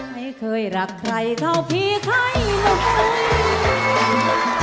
ไม่เคยรักใครเท่าพี่ไข่หน่วยรักพี่ไข่หน่วยคนเดียวน่ะพี่